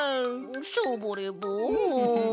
ショボレボン。